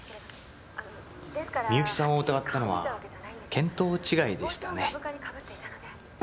みゆきさんを疑ったのは見当違いでしたね。